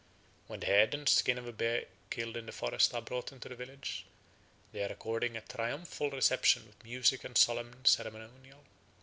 When the head and skin of a bear killed in the forest are brought into the village, they are accorded a triumphal reception with music and solemn ceremonial.